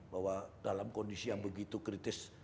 bahwa dalam kondisi yang begitu kritis